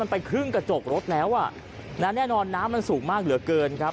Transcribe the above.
มันไปครึ่งกระจกรถแล้วน้ำมันสูงมากเหลือเกินครับ